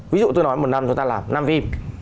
ví dụ tôi nói một năm chúng ta làm năm